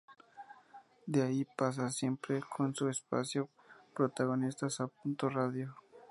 De ahí pasa, siempre con su espacio "Protagonistas" a Punto Radio.